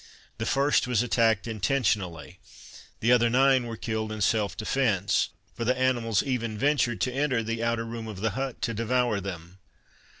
The first was attacked intentionally; the other nine were killed in self defence, for the animals even ventured to enter the outer room of the hut to devour them.